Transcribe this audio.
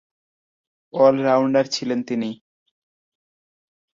All-rounder ছিলেন তিনি।